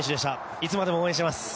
いつまでも応援しています！